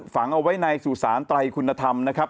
ฝังเอาไว้ในสู่สารไตรคุณธรรมนะครับ